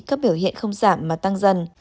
các biểu hiện không giảm mà tăng dần